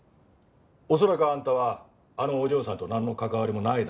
恐らくあんたはあのお嬢さんとなんの関わりもないだろう。